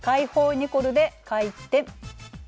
ニコルで回転。